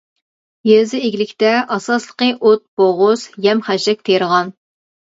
يېزا ئىگىلىكتە ئاساسلىقى ئوت-بوغۇز، يەم-خەشەك تېرىغان.